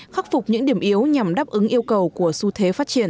khắc phục những điểm yếu nhằm đáp ứng yêu cầu của xu thế phát triển